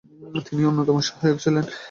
তিনি অন্যতম সহায়ক ছিলেন।